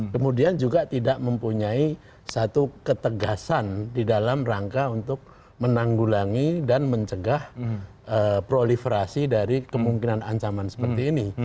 kemudian juga tidak mempunyai satu ketegasan di dalam rangka untuk menanggulangi dan mencegah proliferasi dari kemungkinan ancaman seperti ini